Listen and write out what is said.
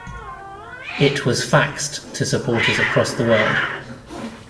It was faxed to supporters across the world.